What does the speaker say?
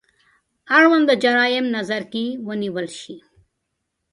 اړونده جرايم نظر کې ونیول شي.